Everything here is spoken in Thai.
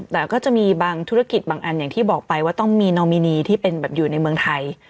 แต่ก็จะมีบางธุรกิจบางอันอย่างที่บอกไปว่าต้องมีนอมินีที่เป็นแบบอยู่ในเมืองไทย